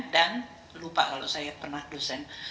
dan lupa kalau saya pernah dosen